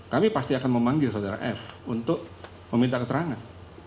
kami pasti akan memanggil saudara f untuk meminta keterangan